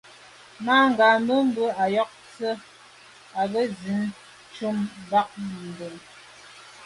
Mangambe bə́ ɑ̂ yə̀k nzwe' ɑ́ gə́ yí gi shúnɔ̀m Batngub.